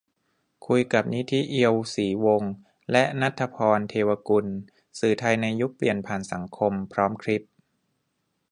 คุยกับ นิธิ เอียวศรีวงศ์ และ ณัฏฐภรณ์ เทวกุล "สื่อไทยในยุคเปลี่ยนผ่านสังคม" พร้อมคลิป